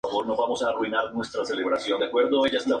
La zona es famosa por ser un barrio obrero.